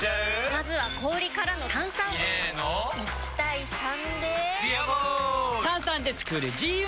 まずは氷からの炭酸！入れの１：３で「ビアボール」！